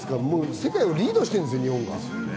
世界をリードしてるんですよ、日本が。